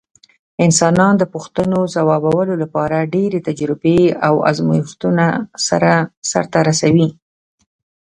انسانان د پوښتنو ځوابولو لپاره ډېرې تجربې او ازمېښتونه سرته رسوي.